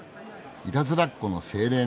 いたずらっ子の精霊ね。